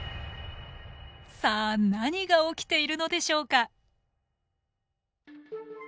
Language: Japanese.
さあ何が起きているのでしょうか？